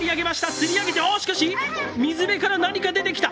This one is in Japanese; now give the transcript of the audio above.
釣り上げてしかし、水辺から何か出てきた！